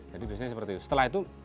jadi biasanya seperti itu setelah itu